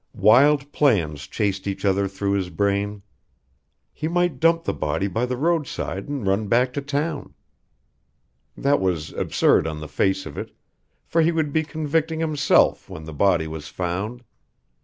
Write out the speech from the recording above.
Wild plans chased each other through his brain. He might dump the body by the roadside and run back to town. That was absurd on the face of it, for he would be convicting himself when the body was found.